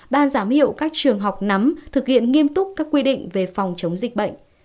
ban giám hiệu các trường học nắm thực hiện nghiêm túc các quy định về phòng chống dịch bệnh